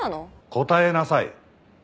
答えなさい！